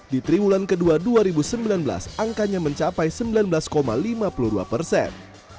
di triwulan kedua dua ribu sembilan belas angkanya mencapai sembilan belas lima puluh dua persen